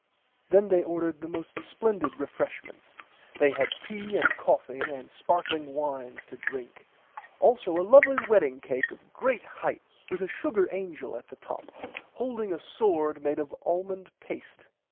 Then they ordered the most splendid refreshments they had tea and coffie and sparkling wines to drink also a lovly wedding cake of great height with a sugar angel at the top holding a sword made of almond paste.